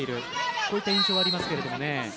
そういった印象はありますけどね。